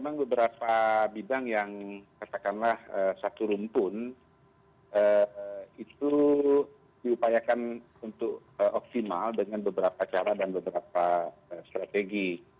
memang beberapa bidang yang katakanlah satu rumpun itu diupayakan untuk optimal dengan beberapa cara dan beberapa strategi